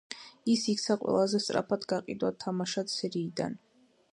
ის იქცა ყველაზე სწრაფად გაყიდვად თამაშად სერიიდან.